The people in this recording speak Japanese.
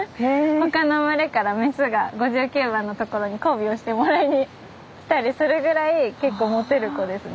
他の群れから雌が５９番のところに交尾をしてもらいに来たりするぐらい結構モテる子ですね。